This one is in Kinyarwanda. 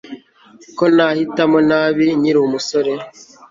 ko nahitamo nabi, nkiri umusore